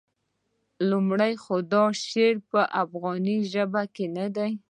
لومړی خو دا شعر په افغاني ژبه نه دی.